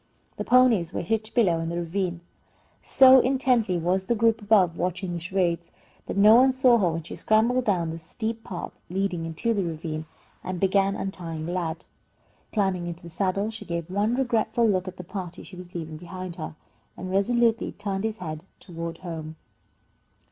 The ponies were hitched below in the ravine. So intently was the group above watching the charades, that no one saw her when she scrambled down the steep path leading into the ravine, and began untying Lad. Climbing into the saddle, she gave one regretful look at the party she was leaving behind her, and resolutely turned his head toward home.